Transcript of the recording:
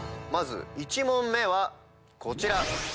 まず１問目はこちら。